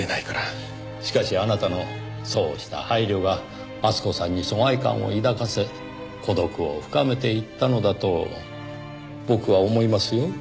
しかしあなたのそうした配慮が厚子さんに疎外感を抱かせ孤独を深めていったのだと僕は思いますよ。